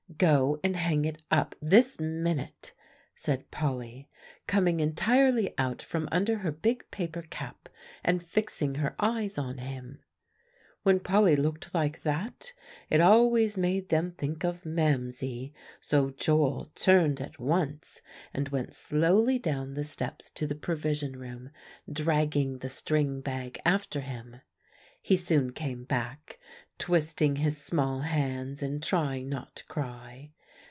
"Go and hang it up this minute," said Polly, coming entirely out from under her big paper cap and fixing her eyes on him. When Polly looked like that, it always made them think of Mamsie; so Joel turned at once, and went slowly down the steps to the Provision Room, dragging the string bag after him. He soon came back, twisting his small hands, and trying not to cry.